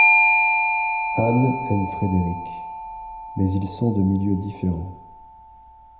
Anne aime Frédéric, mais ils sont de milieux différents.